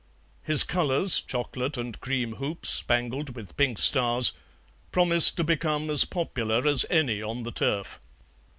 His colours, chocolate and cream hoops spangled with pink stars, promised to become as popular as any on the Turf.